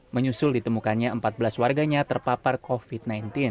menyusul ditemukannya empat belas warganya terpapar covid sembilan belas